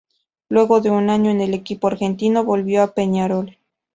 Luego de un año en el equipo argentino, volvió a Peñarol.